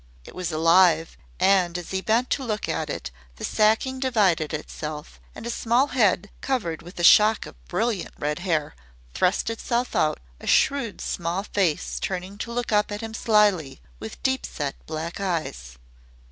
It was alive, and as he bent to look at it the sacking divided itself, and a small head, covered with a shock of brilliant red hair, thrust itself out, a shrewd, small face turning to look up at him slyly with deep set black eyes.